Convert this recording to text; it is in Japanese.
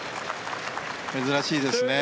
珍しいですね。